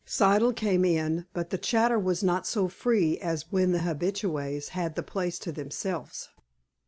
Siddle came in, but the chatter was not so free as when the habitués had the place to themselves.